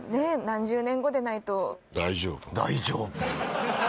何十年後でないと「大丈夫」